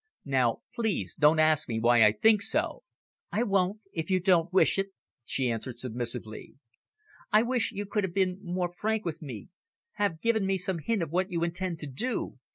Now, please don't ask me why I think so!" "I won't, if you don't wish it," she answered submissively. "I wish you could have been more frank with me, have given me some hint of what you intend to do.